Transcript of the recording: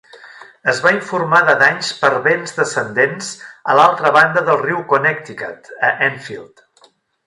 Es va informar de danys per vents descendents a l'altra banda del riu Connecticut a Enfield.